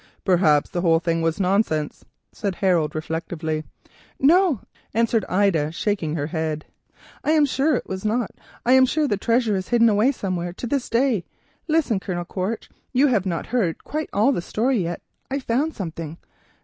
"Perhaps the whole thing was nonsense," said Harold reflectively. "No," answered Ida shaking her head, "I am sure it was not, I am sure the treasure is hidden away somewhere to this day. Listen, Colonel Quaritch—you have not heard quite all the story yet—I found something."